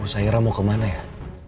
ouw sayang wkwk theresa mau dimana ya